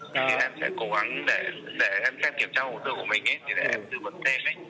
thì em sẽ cố gắng để em xem kiểm tra hồ sơ của mình để em tự vận thêm